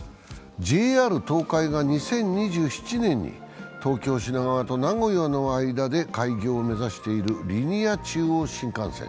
ＪＲ東海が２０２７年に東京・品川と名古屋の間で開業を目指しているリニア中央新幹線。